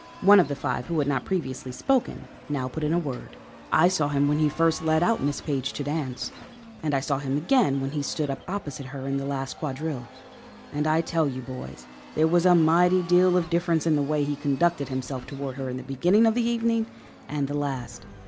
One of the five who had not previously spoken now put in a word: "I saw him when he first led out Miss Page to dance, and I saw him again when he stood up opposite her in the last quadrille, and I tell you, boys, there was a mighty deal of difference in the way he conducted himself toward her in the beginning of the evening and the last.